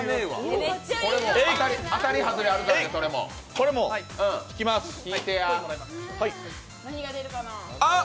当たり外れがあるからね、それも。あっ！！